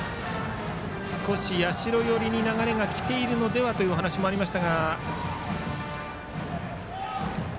少し社寄りに流れが来ているのではというお話もありましたが。